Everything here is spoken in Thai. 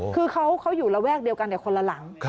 คือเขาอยู่ระแวกเดียวกันแต่คนละหลัง